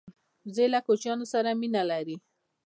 وزې له کوچنیانو سره مینه لري